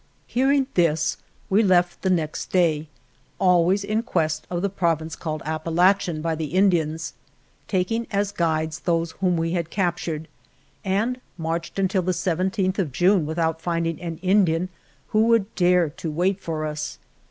Hearing this, we left the next day, al ways in quest of the province called Apa la.chen by the Indians, taking as guides those whom we had captured, and marched until the 17th of June without finding an Indian who would dare to wait for us.